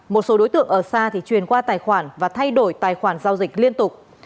một số đối tượng ở xa thì truyền qua tài khoản và thay đổi tài khoản giao dịch liên tục